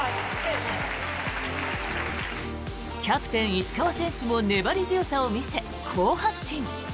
キャプテン石川選手も粘り強さを見せ、好発進。